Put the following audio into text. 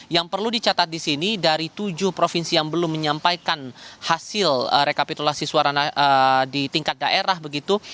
yang perlu dicatat di sini dari tujuh provinsi yang belum menyampaikan hasil rekapitulasi suara di tingkat daerah begitu